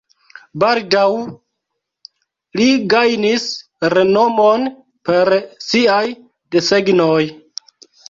Baldaŭ li gajnis renomon per siaj desegnoj.